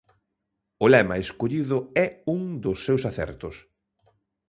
O lema escollido é un dos seus acertos.